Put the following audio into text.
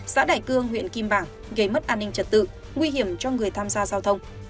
xã đại cương huyện kim bảng gây mất an ninh trật tự nguy hiểm cho người tham gia giao thông